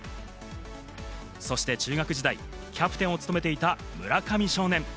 そして中学時代、キャプテンを務めていた村上少年。